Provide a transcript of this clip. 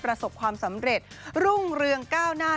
ประสบความสำเร็จรุ่งเรืองก้าวหน้า